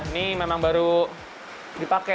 ini memang baru dipakai